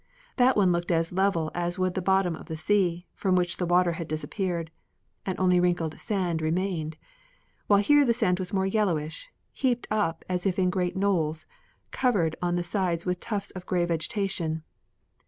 That one looked as level as would the bottom of the sea, from which the water had disappeared and only wrinkled sand remained, while here the sand was more yellowish, heaped up as if in great knolls, covered on the sides with tufts of gray vegetation.